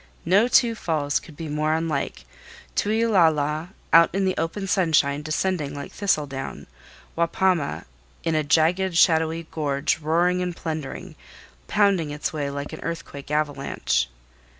No two falls could be more unlike—Tueeulala out in the open sunshine descending like thistledown; Wapama in a jagged, shadowy gorge roaring and plundering, pounding its way like an earthquake avalanche.